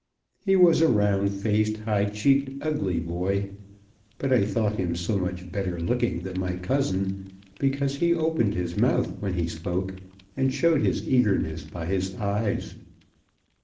He was a round faced, high cheeked, ugly boy; but I thought him so much better looking than my cousin, because he opened his mouth when he spoke, and showed his eagerness by his eyes."